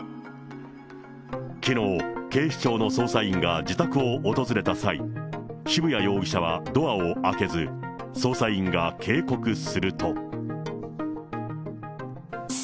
きのう、警視庁の捜査員が自宅を訪れた際、渋谷容疑者はドアを開けず、捜査員が警告すると。